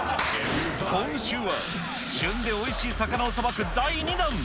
今週は、旬でおいしい魚をさばく第２弾。